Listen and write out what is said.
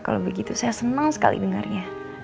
kalau begitu saya senang sekali dengarnya